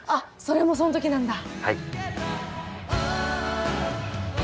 それもその時なんだ！